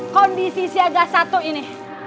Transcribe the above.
kondisi si aga satu ini